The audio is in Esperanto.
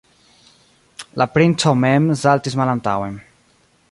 La princo mem saltis malantaŭen.